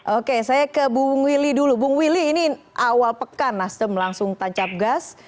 oke saya ke bung willy dulu bung willy ini awal pekan nasdem langsung tancap gas